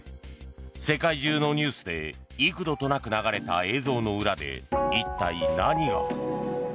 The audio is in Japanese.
世界中のニュースで幾度となく流れた映像の裏で一体何が？